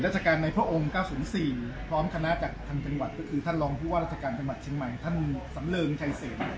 รัฐทศิลป์หลังจากที่เสร็จภารกิจในการตรวจพื้นที่ที่โรงเฮียบานเทพรรศ